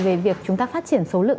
về việc chúng ta phát triển số lượng